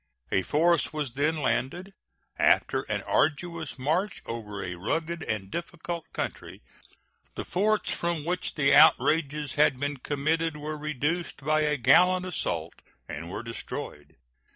A force was then landed. After an arduous march over a rugged and difficult country, the forts from which the outrages had been committed were reduced by a gallant assault and were destroyed.